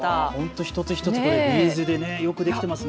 一つ一つビーズでよくできていますね。